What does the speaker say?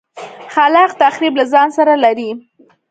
خلاق تخریب له ځان سره لري.